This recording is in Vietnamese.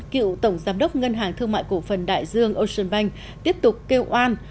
cựu tổng giám đốc ngân hàng thương mại cổ phần đại dương ocean bank tiếp tục kêu oan